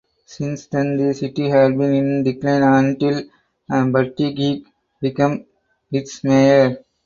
Since then the city had been in decline until Buttigieg becomes its mayor.